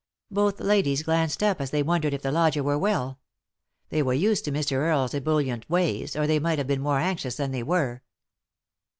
Both ladies glanced up as though they wondered if the lodger were well ; they were used to Mr. Earle' s ebullient ways, or they might have been more anxious than they were.